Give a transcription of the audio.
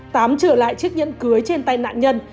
tám trở lại chiếc nhẫn cưới trên tay nạn nhân